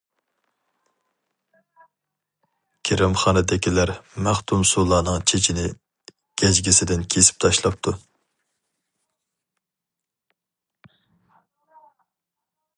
گىرىمخانىدىكىلەر مەختۇمسۇلانىڭ چېچىنى گەجگىسىدىن كېسىپ تاشلاپتۇ.